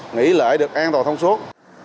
nghỉ lợi được an toàn thông suốt